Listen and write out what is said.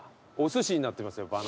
おすしになってますよ。